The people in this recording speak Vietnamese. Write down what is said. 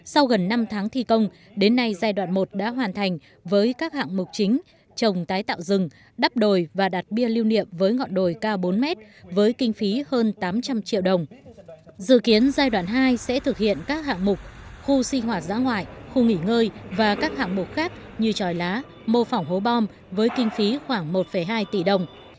sau gần năm tháng thi công đến nay giai đoạn một đã hoàn thành với các hạng mục chính trồng tái tạo rừng đắp đồi và đặt bia lưu niệm với ngọn đường